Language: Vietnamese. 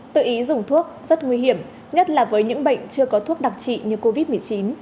tự ý dùng thuốc rất nguy hiểm nhất là với những bệnh chưa có thuốc đặc trị như covid một mươi chín